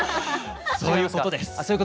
そういうことです。